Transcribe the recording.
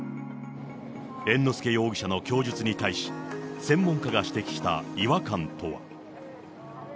猿之助容疑者の供述に対し、専門家が指摘した違和感とは。